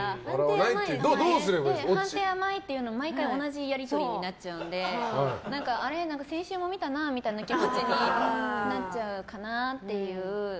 判定甘いっていう毎回同じやり取りになっちゃうのであれ、先週も見たなっていう気持ちになっちゃうかなっていう。